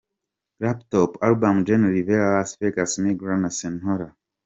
Top Latin Album: Jenni Rivera "Las Misma Gran Senora" .